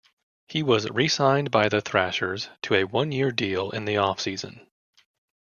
He was re-signed by the Thrashers to a one-year deal in the off-season.